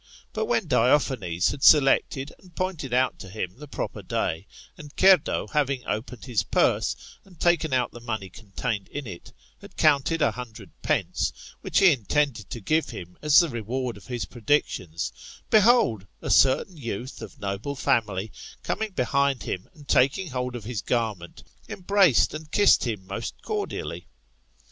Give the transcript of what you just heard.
But, when Diophanes had selected and pointed out to him the proper day, and Cerdo having opened his purse, and taken out the money contained in it, had counted a hundred pence, which he intended to give him as the reward of his predictions, behold, a certain youth, of a noble family, coming behind him, and taking hold of his garment, embraced and kissed him most cordially.